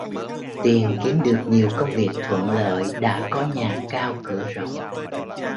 Tiền kiếm được nhiều công việc thuận lợi đã có nhà cao cửa rộng